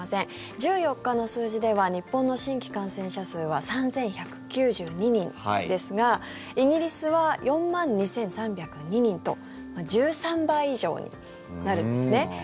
１４日の数字では日本の新規感染者数は３１９２人ですがイギリスは４万２３０２人と１３倍以上になるんですね。